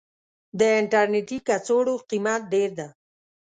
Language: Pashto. د انټرنيټي کڅوړو قيمت ډير ده.